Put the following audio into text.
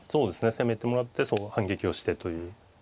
攻めてもらって反撃をしてという。